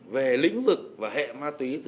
về lĩnh vực và hệ ma túy từ rất lâu